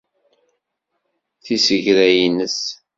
Tiseggra-ines?